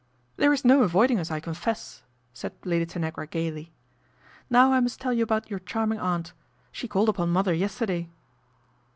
' There is no avoiding us, I confess," said Lady Tanagra gaily. " Now I must tell you about your charming aunt. She called upon mother yesterday."